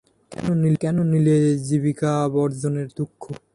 কেন নিলে জীবিকাবর্জনের দুঃখ?